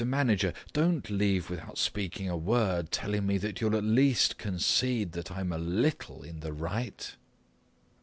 Manager, don't leave without speaking a word telling me that you'll at least concede that I'm a little in the right!"